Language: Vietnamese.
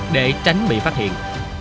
để tránh bị phát hiện